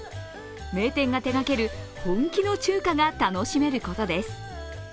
名店が手がける本気の中華が楽しめることです。